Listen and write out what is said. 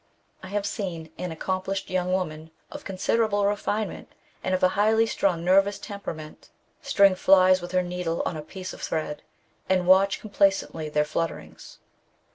I have seen an accomplished young woman of con siderable refinement and of a highly strung nervous temperament, string flies with her needle on a piece of thread, and watch complacently their flutterings.